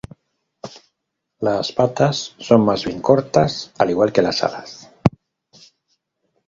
Las patas son más bien cortas, al igual que las alas.